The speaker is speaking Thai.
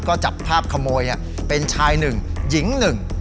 ก็จับภาพขโมยเป็นชายหนึ่งหญิงหนึ่ง